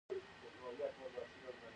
د نیفریټس د ګردو سوزش دی.